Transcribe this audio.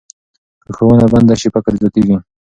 که ښوونه بنده سي، فقر زیاتېږي.